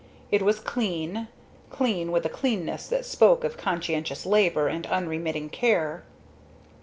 It was clean, clean with a cleanness that spoke of conscientious labor and unremitting care.